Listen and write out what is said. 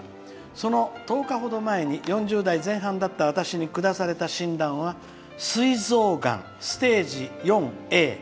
その１０日ほど前に４０代前半だった私に下された診断はすい臓がんステージ４Ａ。